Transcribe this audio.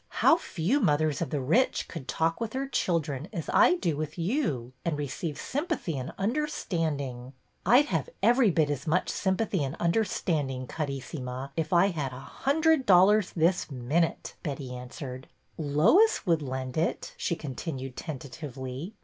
How few mothers of the rich could talk with their children, as I do with you, and receive sympathy and under standing !" I 'd have every bit as much sympathy and understanding, Carissima, if I had a hundred dollars this minute," Betty answered. '' Lois would lend it," she continued tentatively.